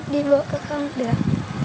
đi bộ cũng không được